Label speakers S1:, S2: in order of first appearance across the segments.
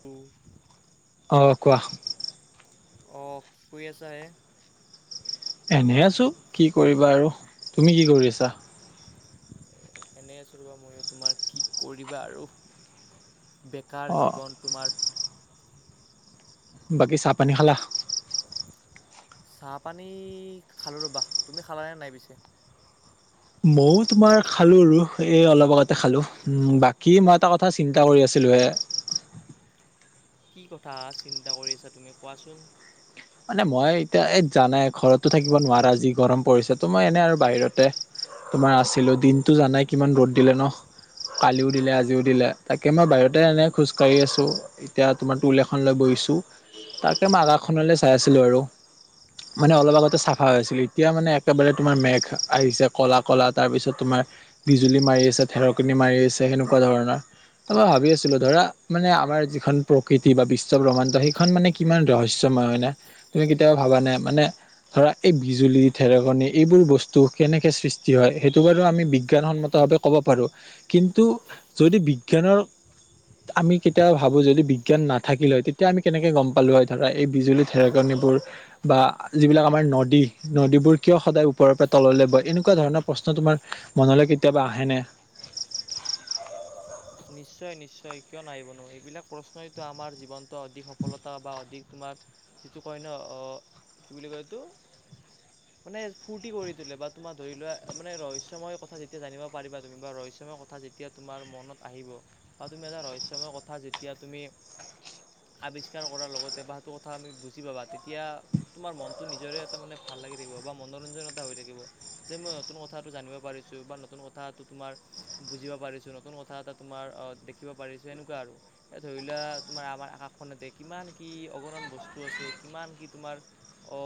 S1: হম
S2: অ কোৱা?
S1: অ কি কৰি আছা হে?
S2: এনে আছোঁ কি কৰিবা আৰু তুমি কি কৰি আছা?
S1: এনেই আছো ৰবা ময় তোমাৰ কি কৰিবা আৰু। বেকাৰ
S2: অ
S1: জীৱন তোমাৰ।
S2: বাকী চাহ পানী খালা।
S1: চাহ পানী খালো ৰ'বা তুমি খালানে নাই পিছে।
S2: ময়ো তোমাৰ খালোঁ আৰু এই অলপ আগতে খালো উ বাকী মই এটা কথা চিন্তা কৰি আছোঁ খেলুৱে
S1: কি কথা চিন্তা কৰি আছা তুমি কোৱাচোন?
S2: মানে মই এতিয়া এই জানাই ঘৰতো থাকিব নোৱাৰা যি গৰম পৰিছে তো মই এনে আৰু বাহিৰতে। তোমাৰ আছিলোঁ দিনতটো জানাই কিমান ৰ'দ দিলে ন কালিও দিলে আজিও দিলে তাকে মই বাহিৰতে এনেই খোজ কঢ়ি আছোঁ এতিয়া তোমাৰ টুল এখন লৈ বহি। আছোঁ তাকে মই আকাশখনলৈ চাই আছিলোঁ আৰু। মানে অলপ আগতে চাফা হৈ আছিল এতিয়া মানে একেবাৰে তোমাৰ মেঘ আহিছে ক'লা ক'লা তাৰপিছত তোমাৰ বিজুলী মাৰি আছে ধৰে কনি মাৰি আছে সেনেকুৱা ধৰণৰ মই ভাবি আছিলোঁ ধৰা মানে আমাৰ যিখন প্ৰকৃতি বা বিশ্ব ব্ৰহ্মানন্দ সেইখন মানে কিমান ৰহস্যময় হয় নে তুমি কেতিয়াবা ভাবা নাই মানে। ধৰা এই বিজুলী থেৰেকনি এইবোৰ বস্তু কেনেকে সৃষ্টি হয় সেইটো বাৰু আমি বিজ্ঞানসন্মত। ক'ব পাৰোঁ কিন্তু যদি বিজ্ঞানৰ। আমি কেতিয়াবা ভাবোঁ যদি বিজ্ঞান নাথাকিল হয় তেতিয়া আমি কেনেকে গম পালোঁ হয় ধৰা এই বিজুলী ধেৰেকনিবোৰ বা যিবিলাক আমাৰ নদী নদীবোৰ কিয় সদায় ওপৰৰ পৰা তললৈ বয় এনেকুৱা এনেকুৱা ধৰণৰ প্ৰশ্ন তোমাৰ মনলৈ কেতিয়াবা আহেনে।
S1: নিশ্চয় নিশ্চয় কিয় নাহিব নো এইবিলাক প্ৰশ্নয়েতো আমাৰ জীৱনত অধিক সফলতা বা অধিক তোমাৰ। যিটো কয় ন অ কি বুলি কয়টো। মানে ফূৰ্তি কৰি তোলে বা তোমাৰ ধৰি লোৱা মান ৰহস্যময় কথা যেতিয়া জানিব পাৰিবা তুমি বা ৰহ্য। ময় কথা যেতিয়া তোমাৰ মনত আহিব বা তুমি এটা ৰহস্যময় কথা যেতিয়া তুমি। আৱিষ্কাৰ কৰাৰ লগতে বা সেইটো কথা আমি বুজি পাবা তেতিয়া তোমাৰ মনতটো নিজৰে এটা মানে ভাল। ভাল লাগি থাকিব বা মনোৰঞ্জন এটা হৈ থাকিব যে মই নতুন কথাটো জানিব পাৰিছো বা নতুন কথাটো তোমাৰ। বুজিব পাৰিছো নতুন কথা এটা ত। তোমাৰ অ দেখিব পাৰিছো এনেকুৱা আৰু এ ধৰিলোৱা তোমাৰ আমাৰ আকাশখনতে কিমান কি অগণ। বস্তু আছে কিমান কি তোমাৰ অ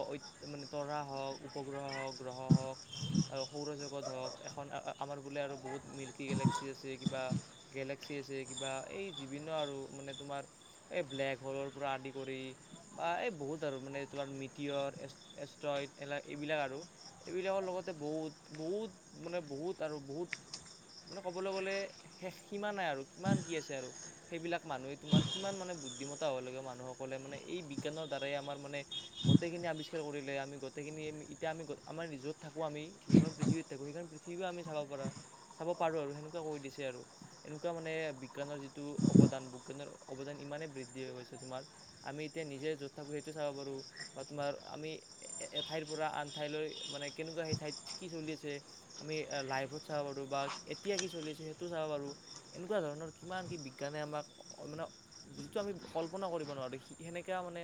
S1: মানে তৰা হওক উপগ্ৰহ হওক গ্ৰহ হওক। সৌৰজগত হওক এখন আমাৰ বোলে আৰু বহুত মিল্কী গলেক্সি আছে কিবা। গলেক্সি আছে কিবা এই যিভিন্ন আৰু মানে তোমাৰ এই ব্লেক হোলৰ পৰা আদি কৰি। বা এই বহুত আৰু মানে তোমাৰ মিটিয়ৰ এচইড এই এইবিলাক আৰু এইবিলাক। লগতে বহুত বহুত মানে বহুত আৰু বহুত মানে ক'বলৈ গ'লে। শেষ সিমানা নাই আৰু কিমান কি আছে আৰু সেইবিলাক মানুহে তোমাৰ কিমান মানে বুদ্ধিমতা হ'বলাগে মানুহসকলে। মানে এই বিজ্ঞানৰ দ্বাৰাই আমাৰ মানে গোটখিন আৱিষ্কাৰ কৰিলে আমি গোটখিনি এতিয়া আমি আমাৰ। য'ত থাকোঁ আমি দুখন পৃথিৱত থাকোঁ সেইখন পৃথিৱীও আমি চাব পাৰোঁ চাব পাৰোঁ আৰু সেনেকুৱা কৰি দিছে আৰু। এনেকুৱা মানে বিজ্ঞানৰ যিটো অৱদান বিজ্ঞানৰ অৱদান ইমানে বৃদ্ধি হৈ গৈছে তোমাৰ আমি এতিয়া নিজে য'ত থাকো সেইটোৱে চাব পাৰো বা তোমাৰ আমি এঠাইৰ পৰা আন ঠাইলৈ মানে কেনেকুৱা সেই ঠাইত কি চলি আছে আমি লাইভত চাব পাৰো বা এতিয়া কি চলিছে সেইটো। এনেকুৱা ধৰণৰ কিমান কি বিজ্ঞানে আমাক মানে যিটো আমি কল্পনা কৰিব নোৱাৰোঁ? আৰু স সেনেকুৱা মানে।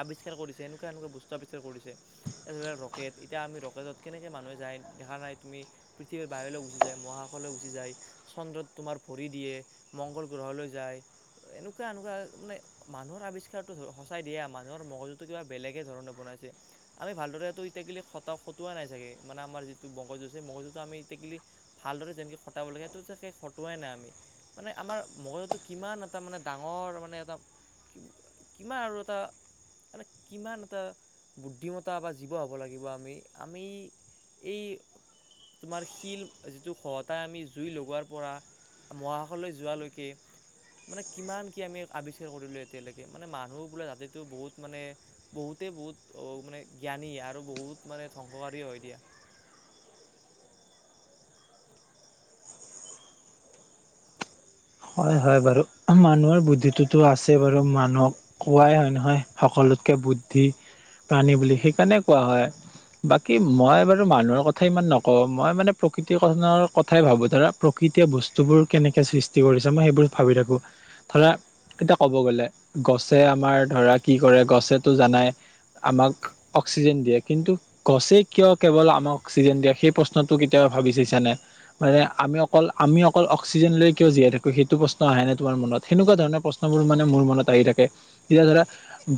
S1: আৱিষ্কাৰ কৰিছে এনেকুৱা এনেকুৱা বস্তু আৱিষ্কাৰ কৰিছে ৰকেট এতিয়া আমি ৰকেটত কেনেকে মানুহে। যায় দেখা নাই তুমি পৃথিৱীৰ বাহিৰলৈ গুচি যায় মহাকাশলৈ গুচি যায়। চন্দ্ৰত তোমাৰ ভৰি দিয়ে মংগল গ্ৰহলৈ যায়। এনেকুৱা এনেকুৱা মানে মানুৰ আৱিষ্কাৰটো সঁচাই দিয়া মানুহৰ মগজুটো কিবা বেলেগে ধৰণৰ বন। আমি ভালদৰেটো ইটকিলি খটা খটোৱা নাইাগে মানে আমাৰ যিটো মগজুজ স মগজুজটো আমি ইটকিলি। ভালদৰে যেনেকে। এইটো চ হতুৱাই নাই আমি মানে আমাৰ মগজটো কিমান এটা মানে ডাঙৰ মানে এটা। কিমান আৰু এটা মানে কিমান এটা বুদ্ধিমতা বা জীৱ হব লাগিব আমি আমি এই তোমাৰ শিল যিটো সহতাই আমি। জুই লগোৱাৰ পৰা মহাকাশলৈ যোৱালৈকে মানে কিমান কি আমি আৱিষ্কাৰ কৰিলো। এতিয়ালৈকে মানে মানুহ বোলে জাটো বহুত মানে বহুত ত বহুত মানে জ্ঞানী আৰু বহুত মানে ধ্বংসকাৰী হয় দিয়া।
S2: [unintelligible] হয় হয় বাৰু মানুহৰ বুদ্ধিটোতো আছে বাৰু মানুহক কোৱাই হয় নহয় সকলোতকে বুদ্ধি প্ৰাণী বুলি সেইকাৰণে কোৱা হয়। বাকী মই বাৰু মানুহৰ কথাই ইমান নকওঁ। মই মানে প্ৰকৃতি কনৰ কথাই ভাবো ধৰা প্ৰকৃ এতিয়া বস্তুবোৰ কেনেকে সৃষ্টি কৰিছে মই সেইবোৰ ভাবি থাকো ধৰা এতিয়া ক'ব গ'লে গছে আমাৰ ধৰা কি কৰে গছেতো জানাই আমাক অক্সিজেন দিয়ে কিন্তু গছে কিয় কেৱল আমাক অক্সিজেন দিয়ে সেই প্ৰশ্নটো কেতিয়াও ভাবিছানে মানে আমি অকল আমি অকল অক্সিজেন লৈ কিয় জীয়াই থাকো সেইটো প্ৰশ্ন আহে ন তোৰ মনত সেনেকুৱা ধৰণৰ প্ৰশ্নবোৰ মানে মোৰ মনত আহি থাকে যেতিয়া ধৰা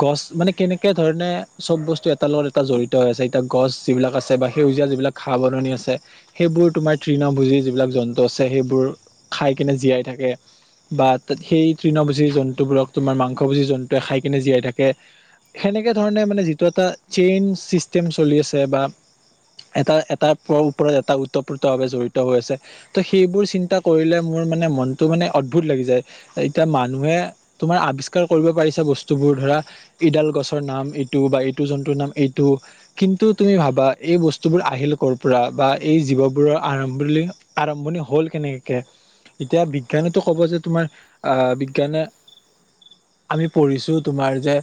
S2: গছ মানে কেনেকে ধৰণে চব বস্তু এটাৰ লগত এটা জড়িত হৈ আছে এতিয়া গছ যিবিলাক আছে বা সেই যিলাক খা বননি আছে সেইবোৰ তোমাৰ তৃণ ভুজি যিবিলাক জন্তু আছে সেইবোৰ খ কিনে জীয়াই থাকে। বা তাত সেই তৃণভোজি জন্তুবোৰক তোমাৰ মাংস ভুজি জন্তুৱে খাই কিনে জীয়াই থাকে। সেনেকে ধৰণে মানে যিটো এটা চেইন চিষ্টেম চলি আছে বা এটা এটা ওপৰত এটা ওতপ্ৰত ভাৱে জঢ়িত হৈ আছে ত' সেইবোৰ চিন্তা কৰিলে মোৰ মানে মনতটো মানে অদ্ভুত লাগি যায়। এতিয়া মানুহে তোমাৰ আৱিষ্কাৰ কৰিব পাৰিছা বস্তু বোৰ ধৰা ইডাল গছৰ নাম ইটো বা এইটো জন্তুৰ নাম এইটো কিন্তু তুমি ভাবা এই বস্তুবোৰ আহিল ক'ৰ পৰা বা এই জীৱবোৰৰ আৰম্ভণি আৰম্ভণি হ'ল কেনেকৈ এতিয়া বিজ্ঞানতো ক'ব যে তোমাৰ আহ বিজ্ঞানে আমি পঢ়িছো তোমাৰ যে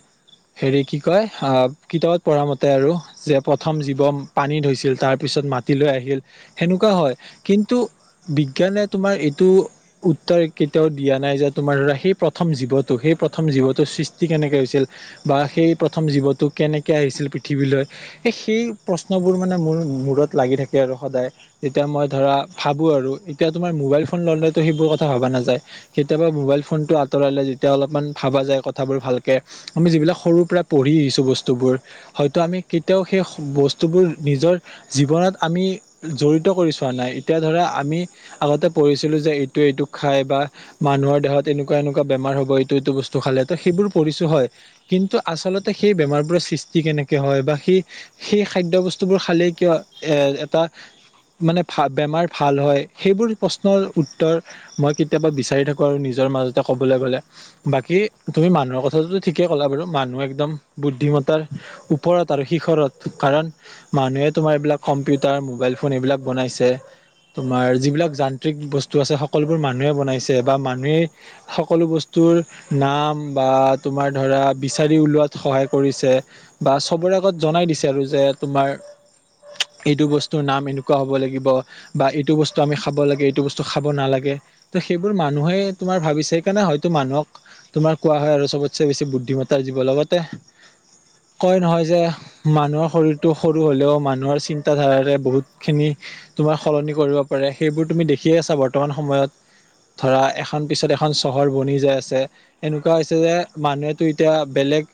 S2: হেৰি কি কয় অ কিতাপত পঢ়া মতে আৰু যে প্ৰথম জীৱন পানী হৈছিল তাৰ পিছত মাটি লৈ আহিল হেনেকুৱা হয় কিন্তু বিজ্ঞানে তোমাৰ উত্তৰ কেতিয়াও দিয়া নাই যে তোমাৰ ধৰা সেই প্ৰথম জীৱটো সেই প্ৰথম জীৱটো সৃষ্টি কে কেনেকে আহিছিল বা সেই প্ৰথম জীৱটো কেনেকে কেতিয়া আহিছিল পৃথিৱীলৈ সেই প্ৰশ্নবোৰ মোৰ মুৰত লাগি থাকে আৰু সদায় তেতিয়া মই ধৰা মই ভাবো আৰু তেতিয়া [unintelligible] লে সেইবোৰ কথা ভাবা নাযায়। কেতিয়াবা মবাইল ফোনতটো আতৰালে যেতিয়া অলপ ভাবা যায় ভ আমি যিবিলাক সৰুৰ পৰা পঢ়ি আহিছো বস্তুবোৰ হয়তো আমি কেতিয়াও সেই বস্তুবোৰ নিজৰ জীৱনত আমি জড়িত কৰি চোৱা নাই এতিয়া ধৰা আমি আগতে পৰিছিলো যে এইটো এইটো খাই বা মানুহৰ দেহত এনেকুৱা এনেকুৱা বেমাৰ হ'ব এইটো এইটো বস্তু খালে ত খালে পৰিছোঁ হয় কিন্তু আচলতে সেই বেমাৰবোৰ সৃষ্টি কেনেকে হয়। সেই খাদ্য বোৰ বস্তুবোৰ খালে কিয় এ এটা মানে বেমাৰ ভাল হয় সেইবোৰ প্ৰশ্নৰ উত্তৰ মই কেতিয়াবা বিচাৰি থাকো আৰু নিজৰ মাজতে ক'বলৈ গ'লে বাকী তুমি মানুহৰ কথাটোটো ঠিকে ক'লা বাৰু মানুহ একদম বুদ্ধিমতাৰ ওপৰত আৰু শিখৰত কাৰণ মানুহে তোমাৰ সম্পৃতান, মোবাইল ফোন এইবিলাক বনাইছে। তোমাৰ যিবিলাক সকলোবোৰ মানুহে বনাইছে বা মানুহে সকলো বস্তুৰ নাম বা তোমাৰ ধৰা বিচাৰি উলোৱাত সহায় কৰিছে বা চবৰে আগত জনাই দিছে আৰু যে তোমাৰ এইটো বস্তুৰ নাম এনেকুৱা হ'ব লাগিব বা এইটো বস্তু আমি খাব লাগে এই বস্তু খাব নালাগে ত' সেইবোৰ মানুহে তোমাৰ ভাবিছে সকাৰণে হয়তো মানুহক তোমাৰ কোৱা হয় আৰু চবতচে বেছি বুদ্ধিমতা জীৱ লগতে কয় নহয় যে মানুহৰ শৰীৰটো সৰু হলেও মানুহৰ চিন্তাধাৰাৰে বহুতখিনি তোমাৰ সলনি কৰিব পাৰে। সেইবোৰ তুমি দেখিয়ে আছা বৰ্তমান সময়ত। ধৰা এখন পিছত এখন চহৰ বনি যায় আছে। এনেকুৱা হৈছে যে মানুহেতো এতিয়া বেলেগ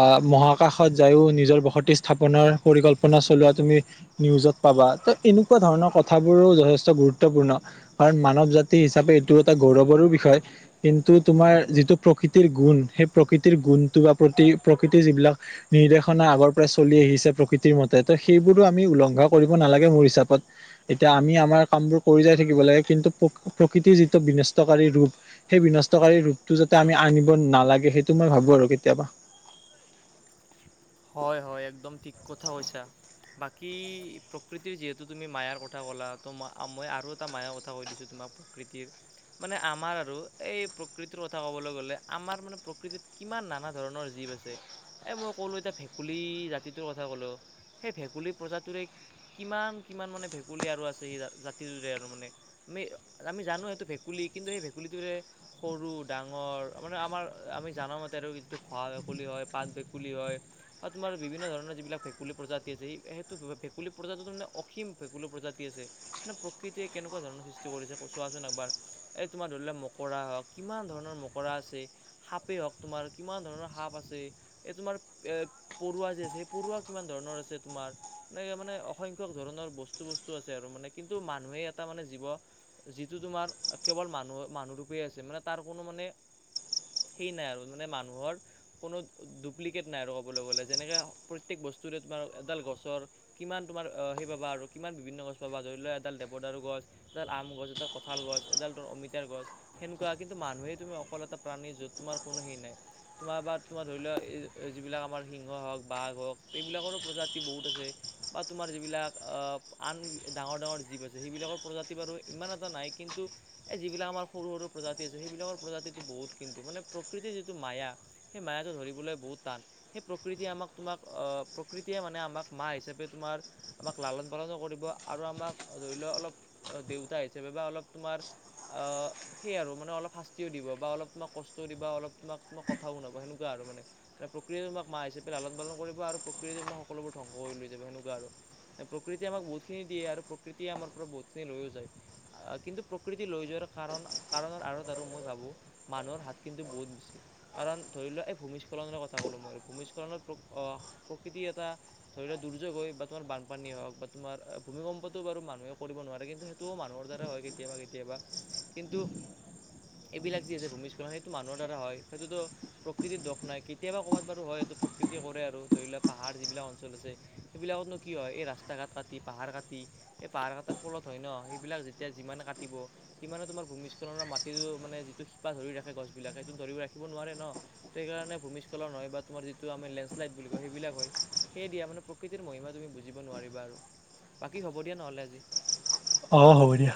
S2: আহ মহাকাশত যায়ো নিজৰ বসতি স্থাপনৰ পৰিকল্পনা চলোৱা তুমি নিউজত পা ত এনেকুৱা ধৰণৰ কথাবোৰো যথেষ্ট গুৰুত্বপূৰ্ণ। কাৰণ মানৱ জাতি হিচাপে এইটো এটা গৌৰৱৰো বিষয় কিন্তু তোমাৰ যিটো প্ৰকৃতিৰ গুণ সেই প্ৰকৃতিৰ গুণটো বা প্ৰতি প্ৰকৃতিৰ যিবিলাক নিৰ্দেশনা আগৰ পৰাই চলি আহিছে। প্ৰকৃতি সেইমতে ত সেইবোৰো আমি উলংঘা কৰিব নালাগে মোৰ হিচাপত। এতিয়া আমি আমাৰ কামবোৰ কৰি যাই [unintelligible] লাগে কিন্তু প্ৰকৃতিৰ যিটো বিনস্তকাৰী ৰূপ সেই বিনষ্টকাৰী ৰূপটো যাতে আমি আনিব নালাগে সেইটো মই ভাবো আৰু কেতিয়াবা।
S1: হয় হয় একদম ঠিক কথা কৈছা। বাকী প্ৰকৃতিৰ যিহেতু তুমি মায়াৰ কথা কলা ত মই আৰু এটা মায়াৰ কথা কৈ দিছো তুমি প্ৰকৃতিৰ মানে আমাৰ আৰু এই প্ৰকৃতিৰ কথা ক'বলৈ গ'লে আমাৰ মানে প্ৰকৃতিত কিমান নানা ধৰণৰ জীৱ আছে এ মই ক'লো এতিয়া ভেকুলী জাতিটোৰ কথা ক'লো সেই ভেকুলী প্ৰজাটোৰে কিমান কিমান মানে ভেকুলী আৰু আছে স জাতিটোৰে আৰু মানে আমি আমি জানো এইেইটো ভেকুলী কিন্তু সেই ভেকুলীটোৰে সৰু ডাঙৰ মানে আমাৰ আমি জানো মতে আৰু যিটো খোৱা ভেকুলী হয় পাছ‌ঁ বেগ ভকুলী হয় বা তোমাৰ বিভিন্ন ধৰণৰ যিবিলাক ভেকুলী প্ৰজাতি আছে সেইটো ভেকুলী প্ৰজাতিতো মানে অসীম ভেকুলু প্ৰজাতি আছে নে প্ৰকৃতিয়ে কেনেকুৱা ধৰণৰ সৃষ্টি কৰিছে চোৱাচোন একবাৰ এই তোমাৰ ধৰিলোৱা কৰা হওক কিমান ধৰণৰ মকৰা আছে সাপেই হওক তোমাৰ কিমান ধৰণৰ সাপ আছে এই তোমাৰ এ পৰুৱা যে আছে স পৰুৱা কিমান ধৰণৰ আছে তোমাৰ মানে মানে অসংখ্যক ধৰণৰ বস্তু বস্তু আছে আৰু মানে কিন্তু মানুহে এটা মানে জীৱ যিটো তোমাৰ কেৱল মানুহ ৰুবে আছে মানে তাৰ কোনো মানে সি নাই মানে আৰু মানুহৰ কোনো দুখ [unintelligible] ডুপ্লিকেট নাই আৰু ক'বলৈ গ'লে যেনেকৈ প্ৰত্যেক বস্তুৰে তোমাৰ এডাল গছৰ কিমান তোমাৰ সেইবাব আৰু কিমান বিভিন্ন গছ পাবা ধৰি লও এডাল দেৱদাৰু গছ এডাল আম গছ এডাল কঁঠাল গছ এডাল অমিতাৰ গছ সেনেকুৱা কিন্তু মানুহে তুমি অকল এটা প্ৰাণী য'ত তোমাৰ কোনো সেই নাই তোমাৰ বা তোমাৰ ধৰি লোৱা যিবিলাক আমাৰ সিংহ হওক বাঘ হওক এইবিলাকৰো প্ৰজাতি বহুত আছে বা তোমাৰ যিবিলাক আন ডাঙৰ ডাঙৰ জীৱ আছে সেইবিলাকৰ প্ৰজাতি বাৰু ইমান এটা নাই কিন্তু এই যিবিলাক আমাৰ সৰু স প্ৰজাতি আছে সেইবিলাকৰ প্ৰজাতিটো বহুত কিন্তু মানে প্ৰকৃতিৰ যিটো মায়া সেই মায়াটো ধৰিবলৈ বহুত সেই প্ৰকৃতিয়ে আমাক তোমাক প্ৰকৃতিয়ে মানে আমাক মা হিচাপে তোমাৰ আমাক লালন-পালন কৰিব আৰু আমাক ধৰি লোৱা অলপ দেউতা হিচাপে বা অলপ তোমাৰ অ সেই আৰু মানে অলপ শাস্তিও দিব বা। অলপ তোমাক কষ্টও দিবা, অলপ তোমাক তোমাক কথাও শুনাব সেনেকা। আৰু মানে প্ৰকৃতিয়ে তোমাক মা হিচাপে লালন-পালন কৰিব আৰু প্ৰকৃতিয়ে তোমাক সকলোবোৰ ধ্বংস কৰি লৈ যাব সেনেকুৱা আৰু। এ প্ৰকৃত প্ৰকৃতিয়ে আমাক বহুতখিনি দিয়ে আৰু প্ৰকৃতিয়ে আমাৰ পৰা বহুতখিনি লৈও যায়। কিন্তু প্ৰকৃতি লৈ যোৱাৰ কাৰণ কাৰণৰ আঁৰত আৰু মই ভাবো মানুহৰ হাত কিন্তু বহুত বেছি। কাৰণ ধৰি লোৱা এই ভূমিস্খলনৰ কথা তা ক'লো ম‌ই। ভূমিস্খলনত প‌্ৰক অ প্ৰকৃতি এটা ধৰি লওক দুৰ্যোগ হৈ বা তোমাৰ বানপানীয়ে হওক বা তোমাৰ ভূমিকম্পটো বাৰু মানুহে কৰিব নোৱাৰে। কিন্তু সেইটোও মানুহৰ দ্বাৰা হয় কেতিয়াবা-কেতিয়াবা। কিন্তু
S2: [inaudible]
S1: এইবিলাক যি আছে ভূমিস্খলন সেইটো মানুহৰ দ্বাৰা হয়। সেইটোতো প্ৰকৃতিৰ দোষ নাই। কি কেতিয়াবা ক'ৰবাত বাৰু হয় এইটো প্ৰকৃতি কৰে আৰু। ত এইবিলাক পাহাৰ যিবিলাক অঞ্চল আছে, সেইবিলাকত নো কি হয় এই ৰাস্তা কাটি পাহাৰ কাটি পাহাৰ কাটাৰ ফলত হয় ন। সেইবিলাক যেতিয়া যিমানে কাটিব সিমানে তোমাৰ ভূমিস্খলনৰ মাটিমানে যিটো শিপা ধৰি ৰাখে গছ বিলাকে। সেইটো ধৰি ৰাখিব নোৱাৰে ন। সেইকাৰণে ভূমি নহয় বা তোমাৰ যিটো আমি লেণ্ডছলাইড বুলি কও সেইবিলাক হয়। সেই দিয়া মানে প্ৰকৃতিৰ মহিমা তুমি বুজিব নোৱাৰিবা আৰু। বাকী হব দিয়া নহলে আজি।
S2: অ হ'ব দিয়া।